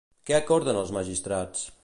Què acorden els magistrats?